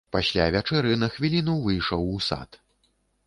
Пасля вячэры на хвіліну выйшаў у сад.